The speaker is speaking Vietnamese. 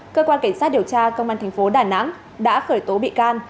cơ quan cảnh sát điều tra công an thành phố đà nẵng đã khởi tố bị can